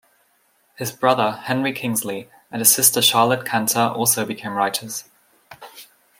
His brother Henry Kingsley and his sister Charlotte Chanter also became writers.